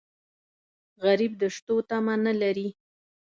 غریب د شتو تمه نه لري